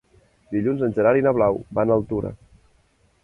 Dilluns en Gerard i na Blau van a Altura.